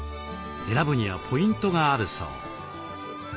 選ぶにはポイントがあるそう。